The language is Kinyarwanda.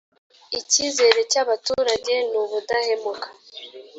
icyizere cy abaturage ni ubudahemuka